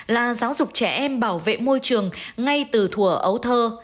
là giáo dục trẻ em bảo vệ môi trường ngay từ thủa ấu thơ